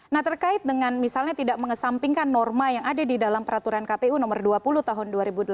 nah terkait dengan misalnya tidak mengesampingkan norma yang ada di dalam peraturan kpu nomor dua puluh tahun dua ribu delapan belas